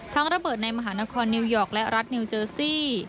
ระเบิดในมหานครนิวยอร์กและรัฐนิวเจอร์ซี่